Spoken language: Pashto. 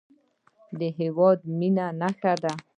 د هېواد د مینې نښې